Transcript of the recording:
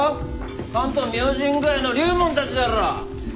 「関東明神会」の龍門たちだろ？